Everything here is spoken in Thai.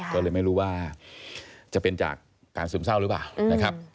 ก็เลยไม่รู้ว่าจะเป็นจากการซึมเศร้าหรือเปล่านะครับ